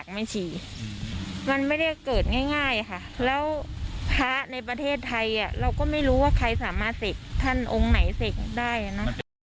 ง่ายค่ะแล้วพระในประเทศไทยเราก็ไม่รู้ว่าใครสามารถเสกท่านองค์ไหนเสกได้เนอะ